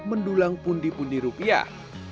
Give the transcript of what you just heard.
mendulang pundi pundi rupiah